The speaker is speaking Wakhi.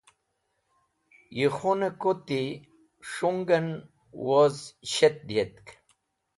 Ye khun-e kuti s̃hungen woz shet diyetk.